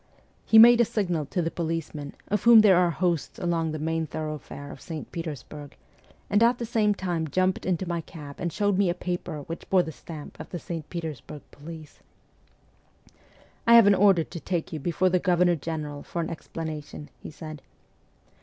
' He made a signal to the policemen, of whom there are hosts along the main thoroughfare of St. Petersburg, and at the same time jumped into my cab and showed me a paper which bore the stamp of the St. Petersburg police. ' I have an order to take you before the Governor General for an explanation,' he said.